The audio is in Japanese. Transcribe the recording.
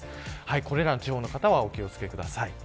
これらの地方の方はお気を付けください。